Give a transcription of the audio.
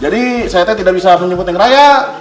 jadi saya teh tidak bisa menjemput neng raya